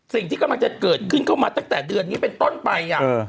สิ่งที่กำลังจะเกิดขึ้นเข้ามาตั้งแต่เดือนนี้เป็นต้นไป